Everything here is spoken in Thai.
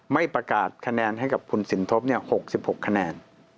ไม่ประกาศคะแนนให้กับคุณสินทบ๖๖คะแนน